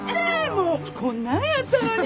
もうこんなんやったのに。